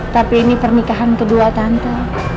tapi ini pernikahan kedua tante